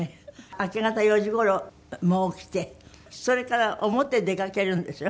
明け方４時頃もう起きてそれから表へ出かけるんでしょ？